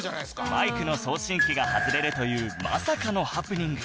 マイクの送信機が外れるというまさかのハプニング